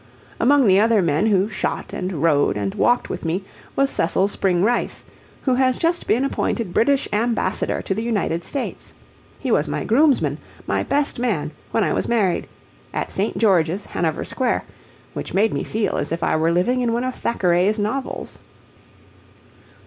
Among the other men who shot and rode and walked with me was Cecil Spring Rice, who has just been appointed British Ambassador to the United States. He was my groomsman, my best man, when I was married at St. George's, Hanover Square, which made me feel as if I were living in one of Thackeray's novels.